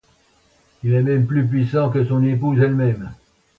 Il est même plus puissant que son épouse elle-même.